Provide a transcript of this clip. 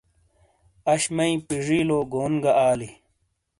آش مئی پیجیلو گون گہ آلی۔